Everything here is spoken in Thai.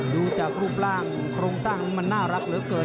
ดูจากรูปร่างโครงสร้างนี้มันน่ารักเหลือเกิน